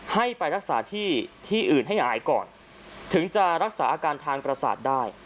ให้ไปรักษาที่ที่อื่นให้หายก่อนถึงจะรักษาอาการทางประสาทได้